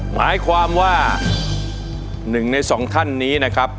หมายความว่า๑ในสองท่านนี้นะครับ